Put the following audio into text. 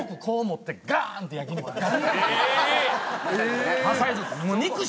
こう持ってガーンって焼き肉。